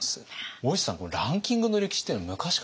大石さんランキングの歴史っていうのは昔からあったんですね。